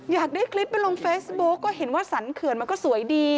อยากได้คลิปไปลงเฟซบุ๊กก็เห็นว่าสรรเขื่อนมันก็สวยดี